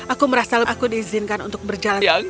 aku merasa lembaga aku diizinkan untuk berjalan sedikit